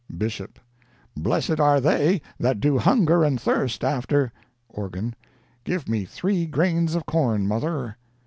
BISHOP—"Blessed are they that do hunger and thirst after—" ORGAN—"Give me three grains of corn, mother."